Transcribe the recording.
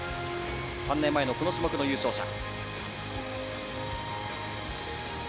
３年前の、この種目の優勝者。